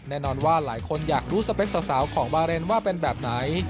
แน่นอนว่าหลายคนอยากรู้สเปคสาวของบาเรนว่าเป็นแบบไหน